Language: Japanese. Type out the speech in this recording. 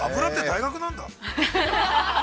◆油って、大学なんだ。